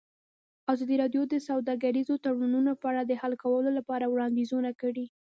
ازادي راډیو د سوداګریز تړونونه په اړه د حل کولو لپاره وړاندیزونه کړي.